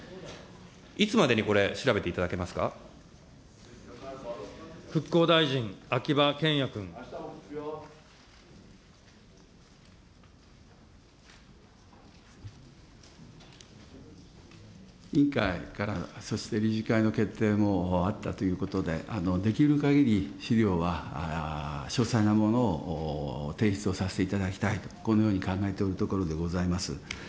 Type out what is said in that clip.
いつまでにこれ、調べていただけ復興大臣、秋葉賢也君。委員会から、そして理事会の決定もあったということで、できるかぎり資料は詳細なものを提出をさせていただきたい、このように考えておるところでございます。